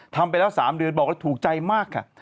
ทำไปแล้ว๓เดือนบอกแล้วถูกใจมากค่ะ